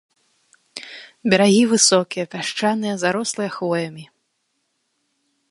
Берагі высокія, пясчаныя, зарослыя хвоямі.